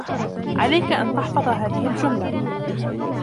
عليك أن تحفظ هذه الجملة.